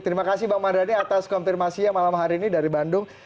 terima kasih bang mardhani atas konfirmasinya malam hari ini dari bandung